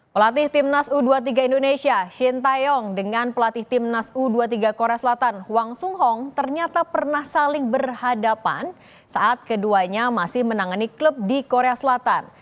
pelatih timnas u dua puluh tiga indonesia shin taeyong dengan pelatih timnas u dua puluh tiga korea selatan huang sung hong ternyata pernah saling berhadapan saat keduanya masih menangani klub di korea selatan